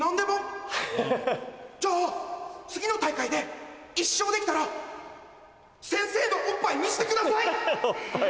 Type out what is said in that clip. じゃあ次の大会で１勝できたら先生のおっぱい見せてください！